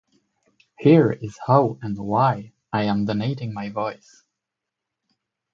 Here is how and why I am donating my voice.